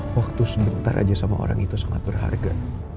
waktu sebentar aja sama orang itu sangat berharga